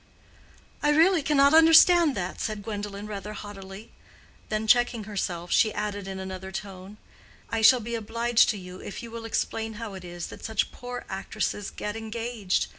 "I really cannot understand that," said Gwendolen, rather haughtily—then, checking herself, she added in another tone—"I shall be obliged to you if you will explain how it is that such poor actresses get engaged.